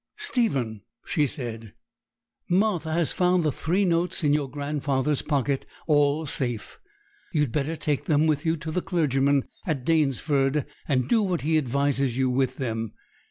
'Stephen,' she said, 'Martha has found the three notes in your grandfather's pocket all safe. You had better take them with you to the clergyman at Danesford, and do what he advises you with them.